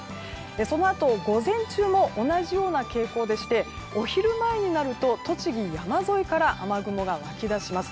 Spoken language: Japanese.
そのあと午前中も同じような傾向でしてお昼前になると栃木の山沿いから雨雲が湧き出します。